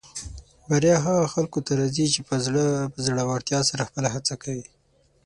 بریا هغه خلکو ته راځي چې په زړۀ ورتیا سره خپله هڅه کوي.